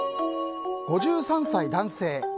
５３歳男性。